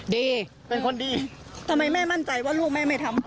ดีเป็นคนดีทำไมแม่มั่นใจว่าลูกแม่ไม่ทำ